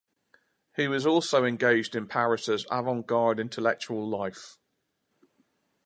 He was also engaged in Paris's avant-garde intellectual life.